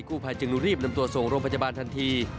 ภายจึงรีบนำตัวส่งโรงพยาบาลทันที